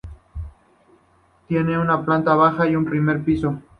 Tiene una planta baja y un primer piso.